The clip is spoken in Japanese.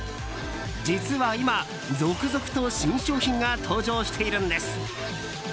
実は今、続々と新商品が登場しているんです。